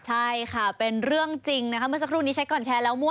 ใช่ค่ะเป็นเรื่องจริงนะคะเมื่อสักครู่นี้ใช้ก่อนแชร์แล้วมั่